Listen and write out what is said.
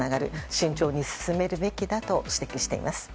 慎重に進めるべきだと指摘しています。